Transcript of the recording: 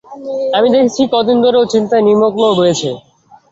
আমি দেখছি কদিন ধরে ও চিন্তায় নিমগ্ন হয়ে রয়েছে।